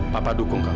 papa dukung kamu